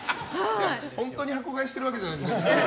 本当に箱買いしてるわけじゃないですよ。